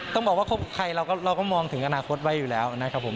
ต้องบอกว่าคบใครเราก็มองถึงอนาคตไว้อยู่แล้วนะครับผม